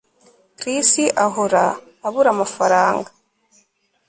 Chris ahora abura amafaranga